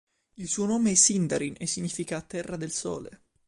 Il suo nome è in Sindarin e significa "Terra del Sole".